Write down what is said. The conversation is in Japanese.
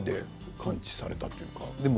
完治されたというか。